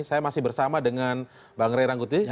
saya masih bersama dengan bang ray rangkuti